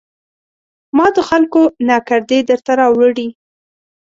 ما د خلکو ناکردې درته راوړي